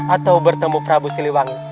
atau bertemu prabu siliwangi